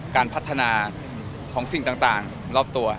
การพัฒนาของสิ่งต่างรอบตัว